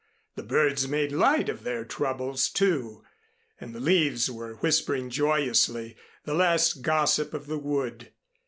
The birds made light of their troubles, too, and the leaves were whispering joyously the last gossip of the wood.